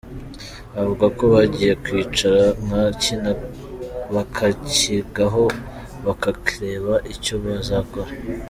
Avuga ko bagiye kwicara nka Kina bakacyigaho bakareba icyo bazakora.